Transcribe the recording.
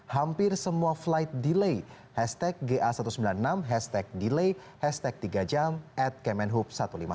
hampir semua flight delay hashtag ga satu ratus sembilan puluh enam hashtag delay hashtag tiga jam at kemenhub satu ratus lima puluh